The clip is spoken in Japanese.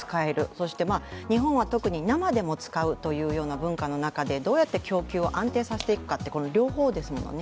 そして日本は特に生でも使うという文化の中でどうやって供給を安定させていくかって両方ですもんね。